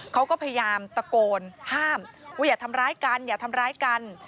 เขาก็พยายามตะโกนห้ามว่าอย่าทำร้ายกันอย่าทำร้ายกัน